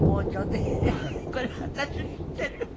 これ私知ってる！